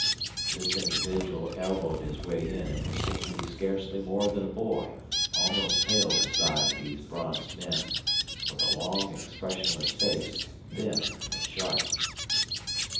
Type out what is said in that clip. This individual elbowed his way in and was seen to be scarcely more than a boy, almost pale beside those bronzed men, with a long, expressionless face, thin and sharp.